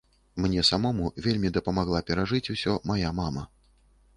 Мне самому вельмі дапамагла перажыць ўсё мая мама.